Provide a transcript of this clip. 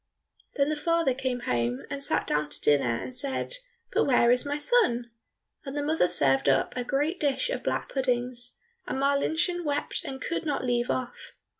Then the father came home, and sat down to dinner and said, "But where is my son?" And the mother served up a great dish of black puddings, and Marlinchen wept and could not leave off.